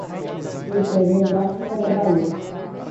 Empresa Gráfica da Bahia